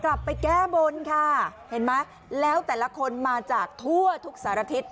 กลับไปแก้บนค่ะเห็นไหมแล้วแต่ละคนมาจากทั่วทุกสารทิศ